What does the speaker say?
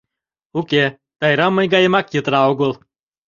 Уке, Тайра мый гаемак йытыра огыл!